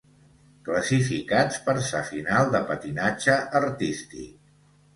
Classificats per sa final de patinatge artístic.